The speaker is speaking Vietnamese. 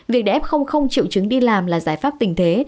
việc để f không chịu chứng đi làm là giải pháp tình thế